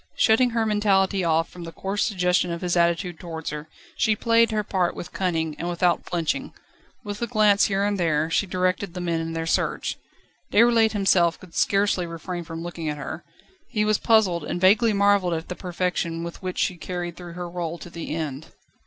Shutting her mentality off from the coarse suggestion of his attitude towards her, she played her part with cunning, and without flinching. With a glance here and there, she directed the men in their search. Déroulède himself could scarcely refrain from looking at her; he was puzzled, and vaguely marvelled at the perfection, with which she carried through her rôle to the end.